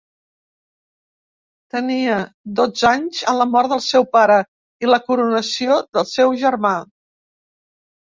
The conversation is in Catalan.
Tenia dotze anys a la mort del seu pare i la coronació del seu germà.